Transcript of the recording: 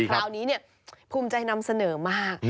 คราวนี้ภูมิใจนำเสนอมาก